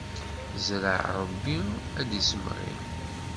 Zreɛ Ṛebbi ad d-issemɣi!